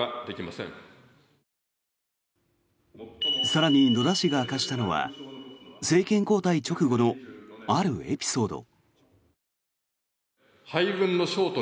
更に、野田氏が明かしたのは政権交代直後のあるエピソード。